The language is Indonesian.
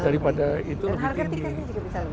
dan harga tiketnya juga bisa lebih mahal